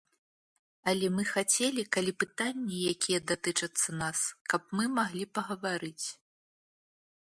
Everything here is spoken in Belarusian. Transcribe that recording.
Але мы хацелі, калі пытанні, якія датычацца нас, каб мы маглі пагаварыць.